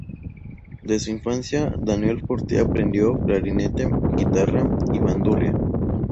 En su infancia Daniel Fortea aprendió clarinete, guitarra y bandurria.